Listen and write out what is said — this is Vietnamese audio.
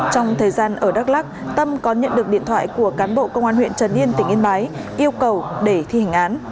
trong thời gian ở đắk lắc tâm có nhận được điện thoại của cán bộ công an huyện trần yên tỉnh yên bái yêu cầu để thi hành án